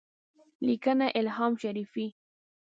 لیکنه الهام شریفي